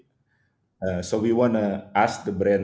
jadi kami ingin bertanya kepada perusahaan